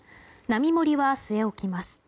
並盛は据え置きます。